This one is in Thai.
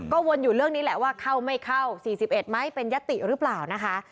วนอยู่เรื่องนี้แหละว่าเข้าไม่เข้า๔๑ไหมเป็นยติหรือเปล่านะคะ